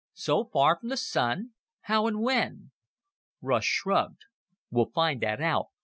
So far from the Sun? How and when?" Russ shrugged. "We'll find that out.